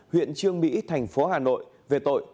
huyện trương mỹ thành phố hà nội về tội